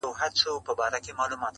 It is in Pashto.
له نیکه مو اورېدلي څو کیسې د توتکیو -